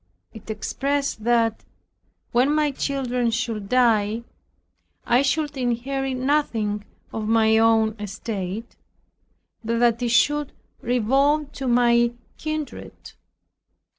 It expressed that, when my children should die, I should inherit nothing of my own estate, but that it should revolve to my kindred.